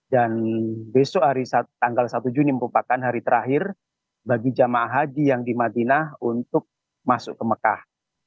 dan besok tanggal satu juni merupakan hari terakhir bagi jemaah haji yang di madinah untuk masuk ke mekah